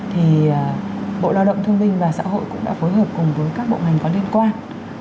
thì bộ lao động thương minh và xã hội cũng đã phối hợp cùng với các bộ ngành có liên quan